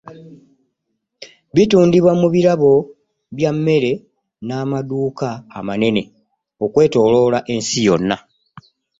Bitundibwa mu birabo by’emmere n’amaduuka amanene okwetooloola ensi yonna.